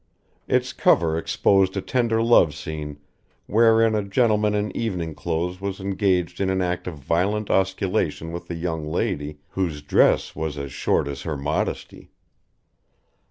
Its cover exposed a tender love scene wherein a gentleman in evening clothes was engaged in an act of violent osculation with a young lady whose dress was as short as her modesty.